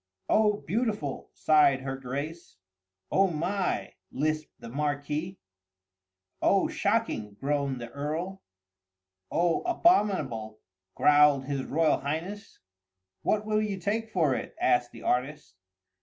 "Oh, beautiful!" sighed her Grace. "Oh my!" lisped the Marquis. "Oh, shocking!" groaned the Earl. "Oh, abominable!" growled his Royal Highness. "What will you take for it?" asked the artist.